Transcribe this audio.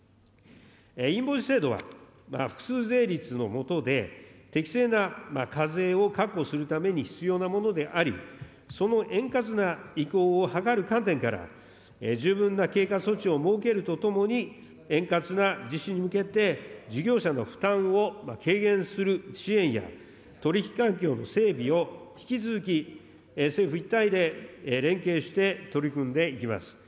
インボイス制度は複数税率の下で、適正な課税を確保するために必要なものであり、その円滑な移行を図る観点から、十分な経過措置を設けるとともに、円滑な実施に向けて、事業者の負担を軽減する支援や、取り引き関係の整備を引き続き、政府一体で連携して取り組んでいきます。